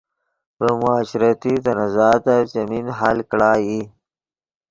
ڤے معاشرتی تنازعاتف چیمین حل کڑا ای